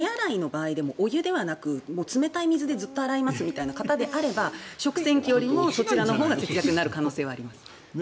ですので、もし手洗いの場合でもお湯ではなく冷たい水で、ずっと洗いますみたいな方であれば食洗機よりもそちらのほうが節約になる可能性があります。